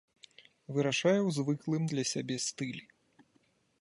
Вырашае ў звыклым для сябе стылі.